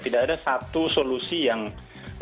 tidak ada satu solusi yang diberikan